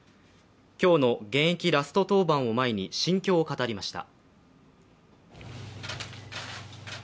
今日の現役ラスト登板を前に心境を語りました。